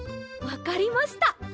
わかりました。